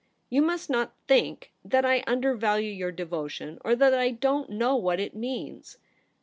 You must not think that I undervalue your devotion, or that I don't know what it means.'